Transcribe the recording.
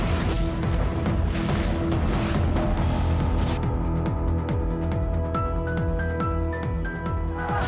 kita harus ke rumah